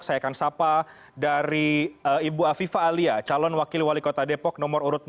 saya akan sapa dari ibu afifah alia calon wakil wali kota depok nomor urut dua